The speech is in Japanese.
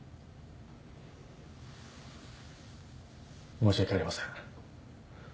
申し訳ありません。